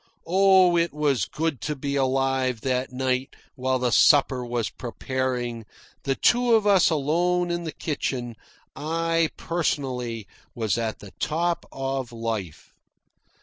Oh, it was good to be alive that night while the supper was preparing, the two of us alone in the kitchen. I, personally, was at the top of life.